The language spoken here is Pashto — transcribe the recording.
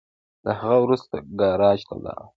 له هغه وروسته ګاراج ته ولاړم.